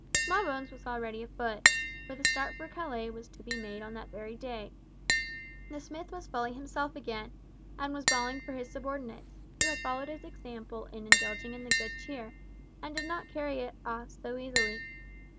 Smallbones was already afoot—for the start for Calais was to be made on that very day. The smith was fully himself again, and was bawling for his subordinates, who had followed his example in indulging in the good cheer, and did not carry it off so easily.